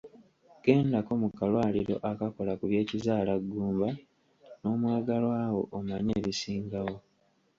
Gendako mu kalwaliro akakola ku by'Ekizaalaggumba n'omwagalwa wo omanye ebisingawo.